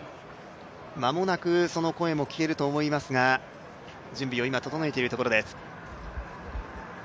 間もなくその声も聞けると思いますが準備を今、整えているところです。